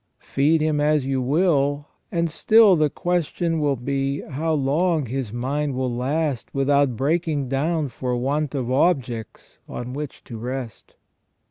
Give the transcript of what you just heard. Feed him as you will, and still the question will be how long his mind will last without breaking down for want of objects on which to rest.